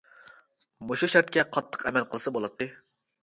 مۇشۇ شەرتكە قاتتىق ئەمەل قىلسا بولاتتى.